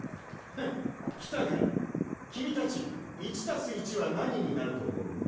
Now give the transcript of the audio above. フッ来たか君たち１＋１は何になると思う？